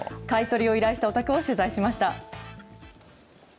買い取りを依頼したお宅を取材しました。